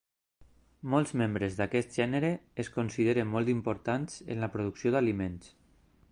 Molts membres d'aquest gènere es consideren molt importants en la producció d'aliments.